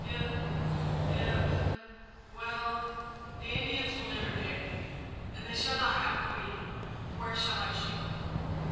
"If if well, the Indians will never get me. And they shall not have Queen. Where shall I shoot?"